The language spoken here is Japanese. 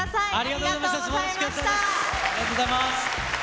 ありがとうございます。